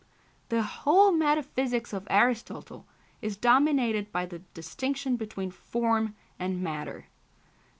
The whole metaphysics of Aristotle is dominated by the distinction between form and matter.